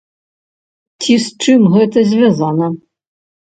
Ці з чым гэта звязана?